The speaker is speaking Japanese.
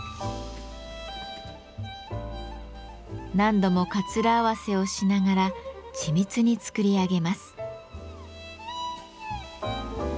何度もかつら合わせをしながら緻密に作り上げます。